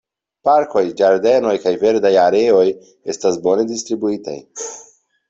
Parkoj, ĝardenoj kaj verdaj areoj estas bone distribuitaj.